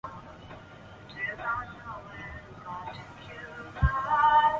黄龙尾为蔷薇科龙芽草属下的一个变种。